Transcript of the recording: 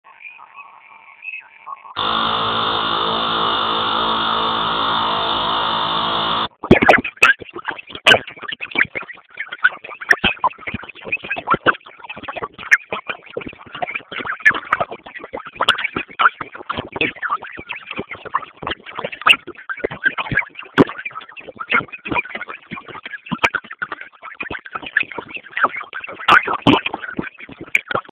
Wasichana wenyi bidii ni muhimu